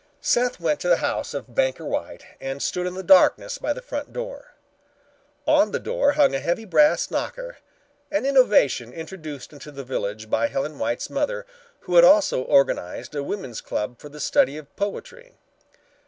Seth went to the house of Banker White and stood in the darkness by the front door. On the door hung a heavy brass knocker, an innovation introduced into the village by Helen White's mother, who had also organized a women's club for the study of poetry.